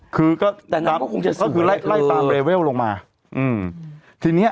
คือก็แต่นั้นก็คงจะสวยคือเล่าเล่าเล่าลงมาอืมทีเนี้ย